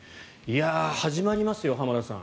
始まりますよ、浜田さん。